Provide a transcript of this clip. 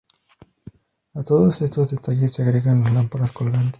A todos estos detalles se agregan las lámparas colgantes.